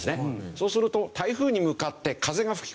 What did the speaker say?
そうすると台風に向かって風が吹き込みますでしょ。